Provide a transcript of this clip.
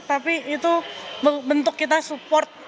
tapi itu bentuk kita support